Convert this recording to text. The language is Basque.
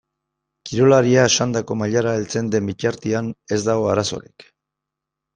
Kirolaria esandako mailara heltzen den bitartean ez dago arazorik.